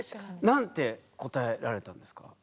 何て答えられたんですか？